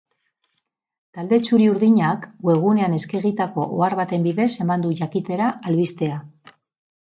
Talde txuri-urdinak webgunean eskegitako ohar baten bidez eman du jakitera albistea.